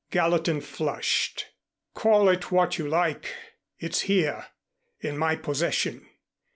Gallatin flushed. "Call it what you like, it's here in my possession.